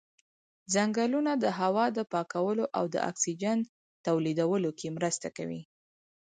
ځنګلونه د هوا د پاکولو او د اکسیجن تولیدولو کې مرسته کوي.